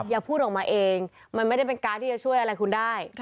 อย่าพูดออกมาเองมันไม่ได้เป็นการที่จะช่วยอะไรคุณได้